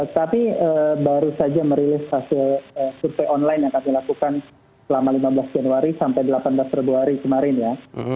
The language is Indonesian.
kami baru saja merilis hasil survei online yang kami lakukan selama lima belas januari sampai delapan belas februari kemarin ya